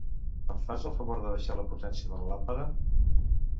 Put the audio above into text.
Em fas el favor de baixar la potència de la làmpada?